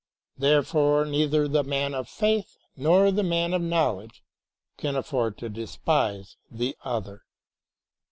Therefore neither the man of faith nor the man of knowl edge can afford to despise the other.